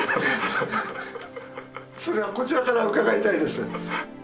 それはこちらから伺いたいです。